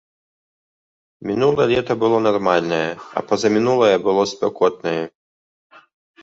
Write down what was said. Мінулае лета было нармальнае, а пазамінулае было спякотнае.